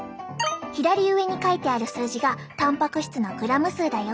左上に書いてある数字がたんぱく質のグラム数だよ！